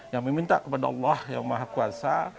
yang meminta kepada allah yang maha kuasa